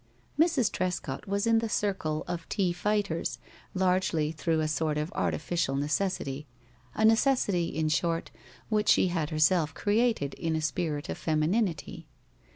Mrs. Trescott was in the circle of tea fighters largely through a sort of artificial necessity a necessity, in short, which she had herself created in a spirit of femininity.